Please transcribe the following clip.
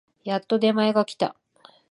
やっと出前が来た